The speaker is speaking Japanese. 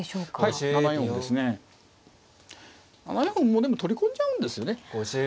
もうでも取り込んじゃうんですよね。